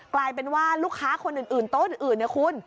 กลายเป็นว่าลูกค้าคนอื่นโต๊ะอื่นเนี่ยคุณ